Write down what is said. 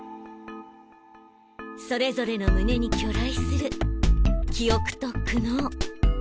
それぞれの胸に去来する記憶と苦悩